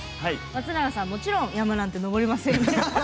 松永さん、もちろん山なんて登れませんよね？